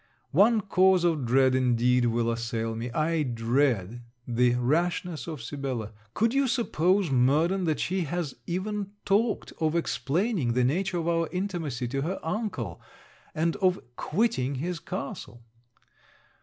One cause of dread, indeed, will assail me. I dread the rashness of Sibella. Could you suppose, Murden, that she has even talked of explaining the nature of our intimacy to her uncle, and of quitting his castle?